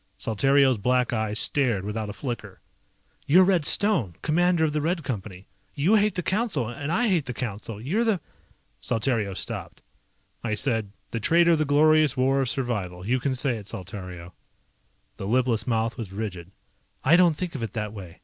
Saltario's black eyes stared without a flicker. "You're Red Stone, Commander of the Red Company. You hate the Council and I hate the Council. You're the ..." Saltario stopped. I said, "The Traitor of the Glorious War of Survival. You can say it, Saltario." The lipless mouth was rigid. "I don't think of it that way.